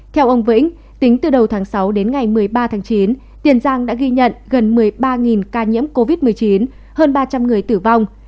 theo ông vĩnh tính từ đầu tháng sáu đến ngày một mươi ba tháng chín tiền giang đã ghi nhận gần một mươi ba ca nhiễm covid một mươi chín hơn ba trăm linh người tử vong